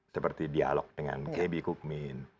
seperti dialog dengan kb kukmin